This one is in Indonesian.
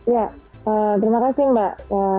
ya terima kasih mbak